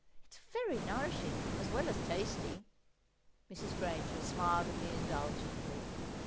It's very nourishing, as well as tasty." Mrs. Granger smiled at me indulgently.